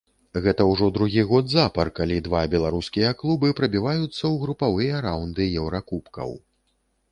Гэта ўжо другі год запар, калі два беларускія клубы прабіваюцца ў групавыя раўнды еўракубкаў.